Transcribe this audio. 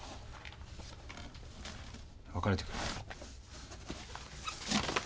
別れてくれよ。